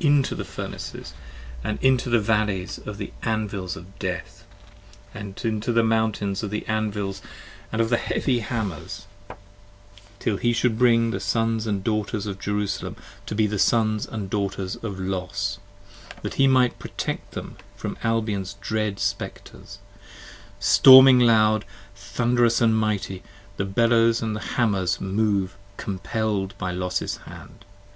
10 INTO the Furnaces & into the valleys of the Anvils of Death, And into the mountains of the Anvils & of the heavy Hammers, 7 Till he should bring the Sons & Daughters of Jerusalem to be The Sons & Daughters of Los, that he might protect them from 5 Albion's dread Spectres: storming, loud, thunderous & mighty The Bellows & the Hammers move compell'd by Los's hand.